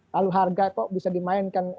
lalu harga kok bisa dimainkan